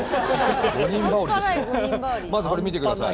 まずこれ見て下さい。